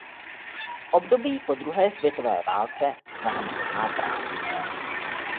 V období po druhé světové válce zámek chátral.